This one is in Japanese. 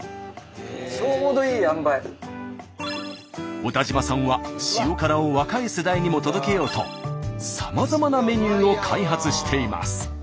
小田島さんは塩辛を若い世代にも届けようとさまざまなメニューを開発しています。